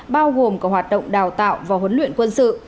bao gồm cả hoạt động đào tạo và huấn luyện quân sự